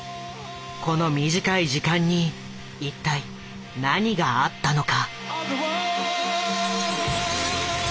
この短い時間に一体何があったのか。